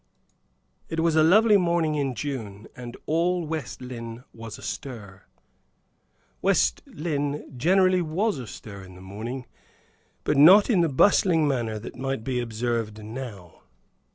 It was a lovely morning in June, and all West Lynne was astir. West Lynne generally was astir in the morning, but not in the bustling manner that might be observed now.